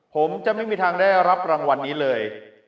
ผมจะไม่มีทางได้รับรางวัลนี้เลย